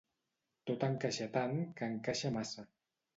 Tot encaixa tant que encaixa massa.